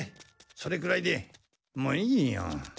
それくらいでもういいよ。